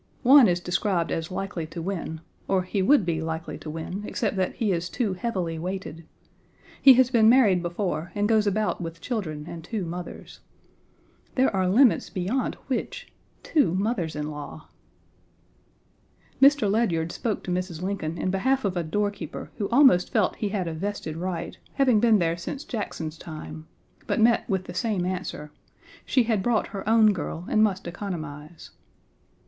One is described as likely to win, or he would be likely to win, except that he is too heavily weighted. He has been married before and goes about with children and two mothers. There are limits beyond which! Two mothers in law! Mr. Ledyard spoke to Mrs. Lincoln in behalf of a doorkeeper who almost felt he had a vested right, having been there since Jackson's time; but met with the same answer; she had brought her own girl and must economize. Mr.